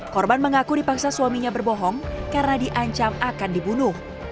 korban mengaku dipaksa suaminya berbohong karena diancam akan dibunuh